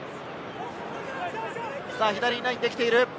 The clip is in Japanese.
左にラインができている。